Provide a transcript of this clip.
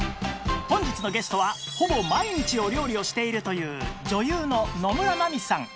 本日のゲストはほぼ毎日お料理をしているという女優の野村真美さん